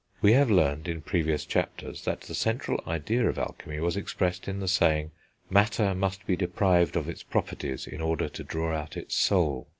We have learned, in previous chapters, that the central idea of alchemy was expressed in the saying: "Matter must be deprived of its properties in order to draw out its soul."